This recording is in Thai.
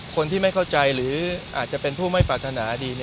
คนที่ไม่เข้าใจหรืออาจจะเป็นผู้ไม่ปรารถนาดี